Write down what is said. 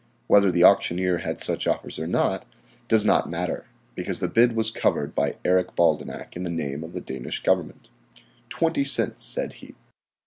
Whether the auctioneer had had such offers or not does not matter, because the bid was covered by Eric Baldenak in the name of the Danish Government. "Twenty cents," said he.